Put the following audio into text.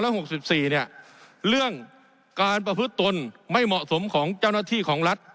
หกสิบสี่เนี่ยเรื่องการประพฤติตนไม่เหมาะสมของเจ้าหน้าที่ของรัฐ